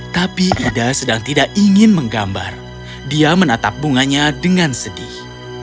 tapi ida sedang tidak ingin menggambar dia menatap bunganya dengan sedih